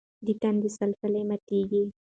د تندي سلاسې ماتېږي.